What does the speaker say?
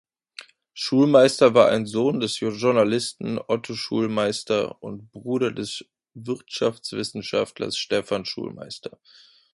Schulmeister war ein Sohn des Journalisten Otto Schulmeister und Bruder des Wirtschaftswissenschaftlers Stephan Schulmeister.